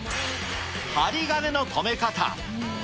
針金の留め方。